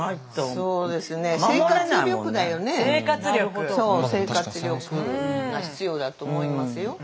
そう生活力が必要だと思いますよ。